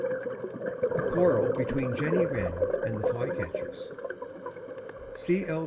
M. A QUARREL BETWEEN JENNY WREN AND THE FLYCATCHERS. C. L.